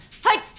はい！